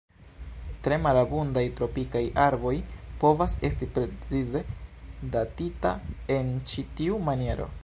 Tre malabundaj tropikaj arboj povas esti precize datita en ĉi tiu maniero.